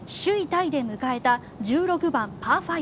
タイで迎えた１６番、パー５。